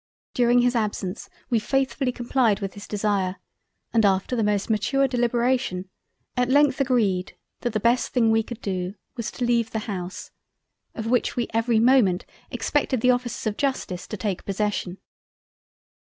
During his absence we faithfully complied with his Desire and after the most mature Deliberation, at length agreed that the best thing we could do was to leave the House; of which we every moment expected the officers of Justice to take possession.